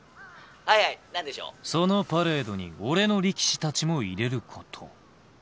そのパレードに俺の力士たちも入れること。